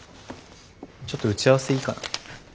ちょっと打ち合わせいいかな。